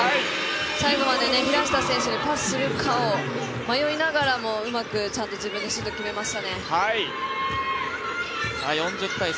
最後まで平下選手にパスするかを迷いながらもうまくちゃんと自分でシュート決めましたね。